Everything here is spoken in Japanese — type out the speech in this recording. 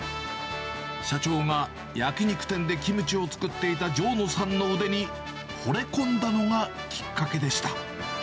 社長が焼き肉店でキムチを作っていた城野さんの腕にほれ込んだのがきっかけでした。